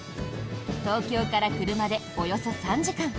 東京から車でおよそ３時間。